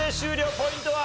ポイントは？